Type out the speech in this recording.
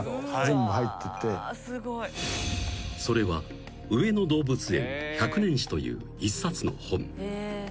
［それは『上野動物園百年史』という一冊の本］